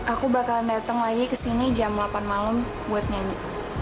aku bakal datang lagi ke sini jam delapan malam buat nyanyi